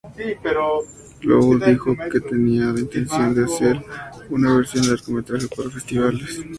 Lowe dijo que tenía la intención de hacer una versión de largometraje para festivales.